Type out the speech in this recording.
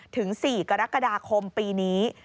ถึง๔กรกฎาคมปีนี้